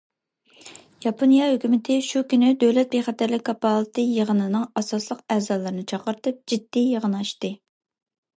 ياپونىيە ھۆكۈمىتى شۇ كۈنى دۆلەت بىخەتەرلىكى كاپالىتى يىغىنىنىڭ ئاساسلىق ئەزالىرىنى چاقىرتىپ جىددىي يىغىن ئاچتى.